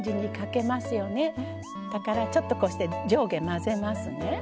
だからちょっとこうして上下混ぜますね。